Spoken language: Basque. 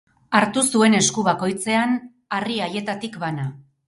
Hartu zuen esku bakoitzean harri haietatik bana.